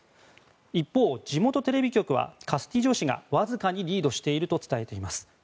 一方、地元テレビ局はカスティジョ氏がわずかにリードしていると伝えています。